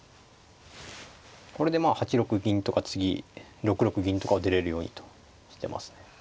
これでまあ８六銀とか次６六銀とかを出れるようにとしてますね。